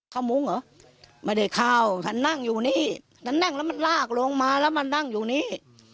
มุ้งเหรอไม่ได้เข้าฉันนั่งอยู่นี่ฉันนั่งแล้วมันลากลงมาแล้วมานั่งอยู่นี่